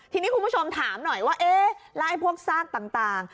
ทีนี้คุณผู้ชมถามหน่อยว่าเอ๊ะแล้วไอ้พวกซากต่าง